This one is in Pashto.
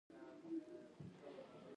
ځینې کسان به یې د کلا له بامه راخطا کول.